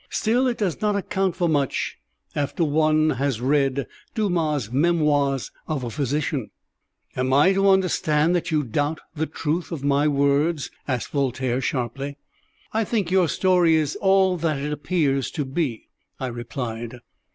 Still, it does not account for much after one has read Dumas' Memoirs of a Physician." "Am I to understand that you doubt the truth of my words?" asked Voltaire sharply. "I think your story is all it appears to be," I replied.